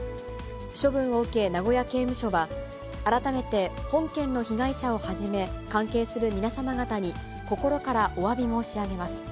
処分を受け、名古屋刑務所は、改めて本件の被害者をはじめ、関係する皆様方に心からおわび申し上げます。